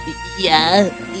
kalau tidak aku akan memakanmu